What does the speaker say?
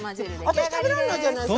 私食べらんないじゃない！